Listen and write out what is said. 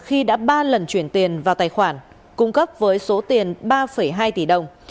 khi đã ba lần chuyển tiền vào tài khoản cung cấp với số tiền ba hai tỷ đồng